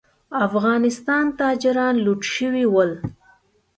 افغانستان تاجران لوټ شوي ول.